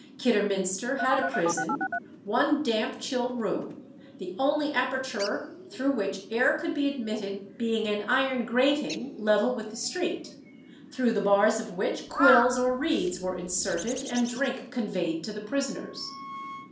Kidderminster had a prison, one damp chill room, "the only aperture through which air could be admitted being an iron grating level with the street, through the bars of which quills or reeds were inserted, and drink conveyed to the prisoners."